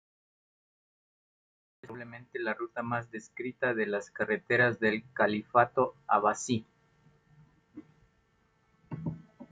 Es probablemente la ruta más descrita de las carreteras del califato abasí.